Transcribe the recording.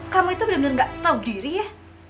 kamu itu bener bener gak tau diri ya